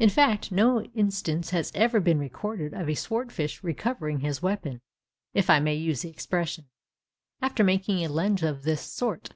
In fact, no instance has ever been recorded of a sword fish recovering his weapon (if I may use the expression) after making a lunge of this sort.